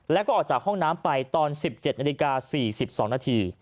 แล้วก็ออกจากห้องน้ำไปตอน๑๗๔๒น